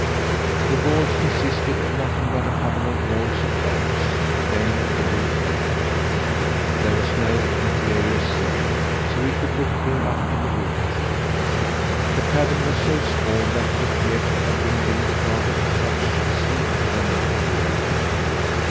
The walls consisted of nothing but a couple of rows of logs; then the roof began. There was no interior ceiling, so he could look clear up to the roof tree. The cabin was so small that it appeared to have been built rather for such as he than for real people.